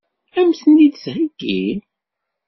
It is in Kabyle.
Ad m-ten-id-theggi?